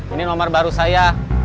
ini nomor baru saya